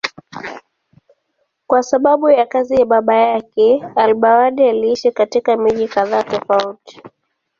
Kwa sababu ya kazi ya baba yake, al-Badawi aliishi katika miji kadhaa tofauti.